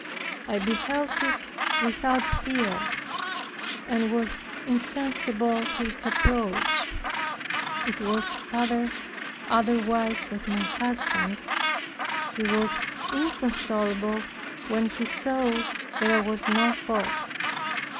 I beheld it without fear, and was insensible to its approach. It was far otherwise with my husband. He was inconsolable when he saw there was no hope.